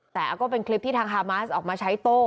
แต่ก็เป็นคลิปที่ทางฮามาสออกมาใช้โต้